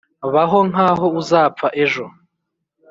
Baho nkaho uzapfa ejo